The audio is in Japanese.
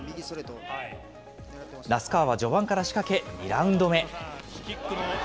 那須川は序盤から仕掛け、２ラウンド目。